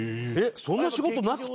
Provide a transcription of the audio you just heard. そんな仕事なくても？